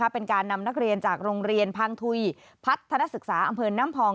เป็นการนำนักเรียนจากโรงเรียนพังทุยพัฒนศึกษาอำเภอน้ำพอง